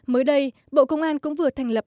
mới đây bộ công an cũng vừa thành lập